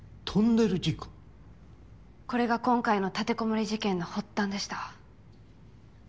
これが今回の立てこもり事件の発端でした。